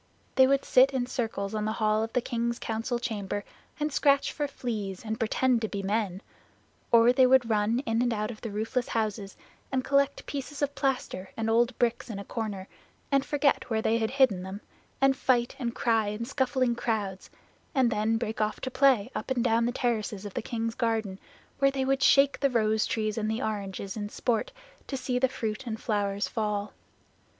They would sit in circles on the hall of the king's council chamber, and scratch for fleas and pretend to be men; or they would run in and out of the roofless houses and collect pieces of plaster and old bricks in a corner, and forget where they had hidden them, and fight and cry in scuffling crowds, and then break off to play up and down the terraces of the king's garden, where they would shake the rose trees and the oranges in sport to see the fruit and flowers fall.